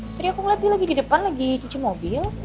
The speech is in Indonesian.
terus aku ngeliat dia lagi di depan lagi cuci mobil